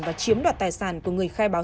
và chiếm đoạt tài sản của người khác